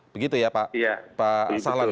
begitu ya pak salan ya